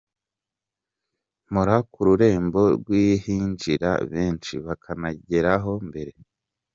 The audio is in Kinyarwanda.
Mpora ku rurembo rw’ahinjirira benshi bakanangeraho mbere.